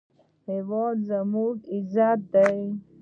هېواد زموږ عزت دی